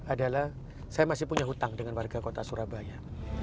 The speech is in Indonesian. adalah saya masih punya hutang dengan warga kota surabaya